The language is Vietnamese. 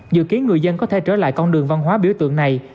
dự kiến người dân có thể trở lại con đường văn hóa biểu tượng này